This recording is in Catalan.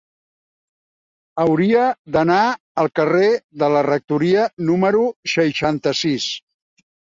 Hauria d'anar al carrer de la Rectoria número seixanta-sis.